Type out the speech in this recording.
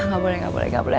gak boleh gak boleh gak boleh